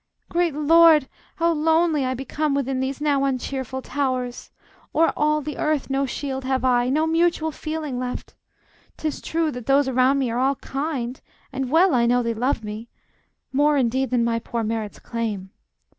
] Great Lord! how lonely I become within These now uncheerful towers! O'er all the earth No shield have I, no mutual feeling left! Tis true that those around me all are kind, And well I know they love me, more, indeed, Than my poor merits claim.